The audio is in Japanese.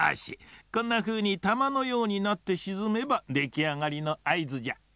こんなふうにたまのようになってしずめばできあがりのあいずじゃ。